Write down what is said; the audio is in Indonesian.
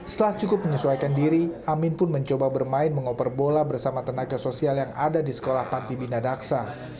setelah cukup menyesuaikan diri amin pun mencoba bermain mengoper bola bersama tenaga sosial yang ada di sekolah panti bina daksa